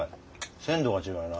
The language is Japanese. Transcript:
鮮度が違うな。